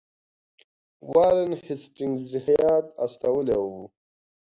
وارن هیسټینګز هیات استولی وو.